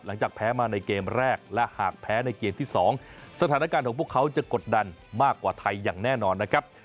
หลังจากแพ้มาในเกมแรกและหากแพ้ในเกมที่๒สถานการณ์ของพวกเขาจะกดดันมากกว่าไทยอย่างแน่นอนนะครับ